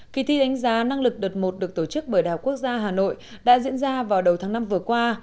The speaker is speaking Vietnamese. kỳ thi đánh giá năng lực đợt một được tổ chức bởi đhqh đã diễn ra vào đầu tháng năm vừa qua